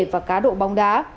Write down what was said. và cá độ bóng đá